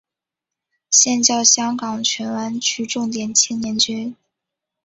现教香港荃湾区重点青年军。